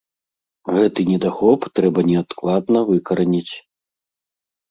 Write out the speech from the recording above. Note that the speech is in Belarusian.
Гэты недахоп трэба неадкладна выкараніць.